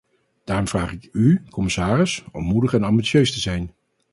Daarom vraag ik u, commissaris, om moedig en ambitieus te zijn.